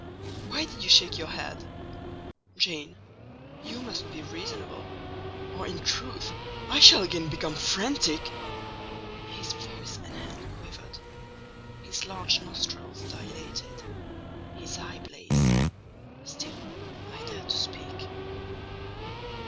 Why did you shake your head? Jane, you must be reasonable, or in truth I shall again become frantic." His voice and hand quivered: his large nostrils dilated; his eye blazed: still I dared to speak.